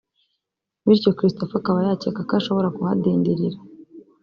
bityo Christopher akaba yacyeka ko ashobora kuhadindirira